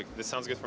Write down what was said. jadi itu sempurna